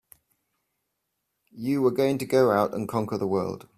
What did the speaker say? You were going to go out and conquer the world!